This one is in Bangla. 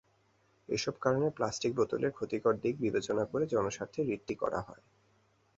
এসব কারণে প্লাস্টিক বোতলের ক্ষতিকর দিক বিবেচনা করে জনস্বার্থে রিটটি করা হয়।